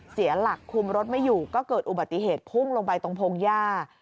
เสียหลักคุมรถไม่อยู่ก็เกิดอุบัติเหตุพุ่งลงไปตรงพงหญ้า